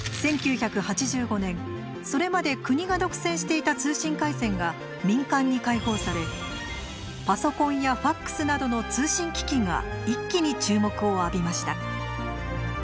１９８５年それまで国が独占していた通信回線が民間に開放されパソコンやＦＡＸなどの「通信機器」が一気に注目を浴びました。